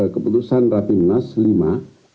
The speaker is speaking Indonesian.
keputusan rapimnas lima